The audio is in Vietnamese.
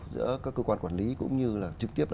giữa các cơ quan quản lý cũng như là trực tiếp